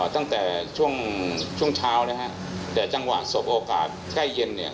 ตั้งแต่ช่วงช่วงเช้านะฮะแต่จังหวะสบโอกาสใกล้เย็นเนี่ย